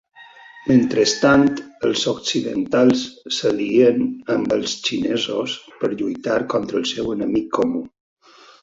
Mentrestant, els occidentals s'alien amb els xinesos per lluitar contra el seu enemic comú.